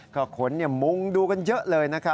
ก็คนมุงดูกันเยอะเลยนะครับ